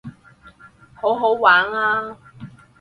好好玩啊